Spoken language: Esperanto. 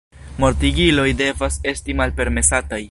Mortigiloj devas esti malpermesataj.